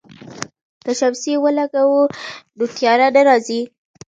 که شمسی ولګوو نو تیاره نه راځي.